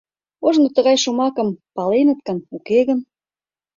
Ожно тыгай шомакым паленыт гын, уке гын?